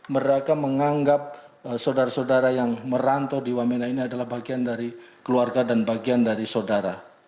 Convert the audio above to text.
mereka menganggap saudara saudara yang merantau di wamena ini adalah bagian dari keluarga dan bagian dari saudara